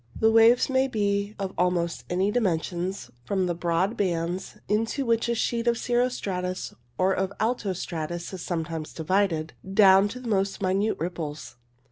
The waves may be of almost any dimensions, from the broad bands into which a sheet of cirro stratus or of alto stratus is sometimes divided, down to the most minute ripples.